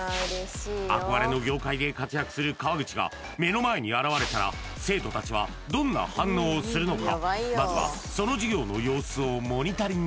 憧れの業界で活躍する川口が目の前に現れたら生徒たちはどんな反応をするのか。